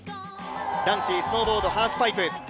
男子スノーボードハーフパイプ